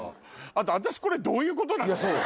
あと私これどういうことなの？